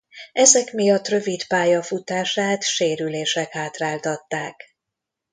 Ezek miatt rövid pályafutását sérülések hátráltatták.